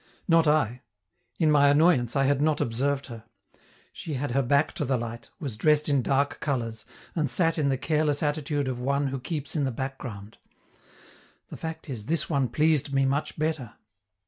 Not I. In my annoyance I had not observed her; she had her back to the light, was dressed in dark colors, and sat in the careless attitude of one who keeps in the background. The fact is, this one pleased me much better.